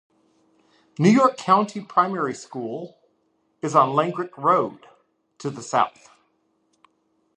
New York County Primary School is on Langrick Road, to the south.